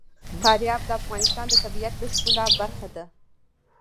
فاریاب د افغانستان د طبیعت د ښکلا برخه ده.